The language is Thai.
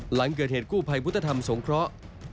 หลังเกิดเหตุกู้ภัยพุทธธรรมสงเคราะห์